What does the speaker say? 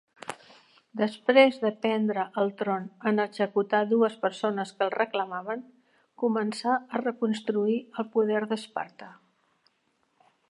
Després de prendre el tron en executar dues persones que el reclamaven, començà a reconstruir el poder d'Esparta.